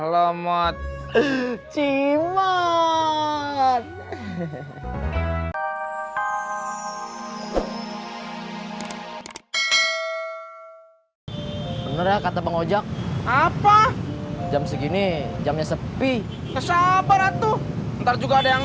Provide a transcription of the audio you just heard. lemot cimot bener kata pengajak apa jam segini jamnya sepi kesabaran tuh ntar juga ada yang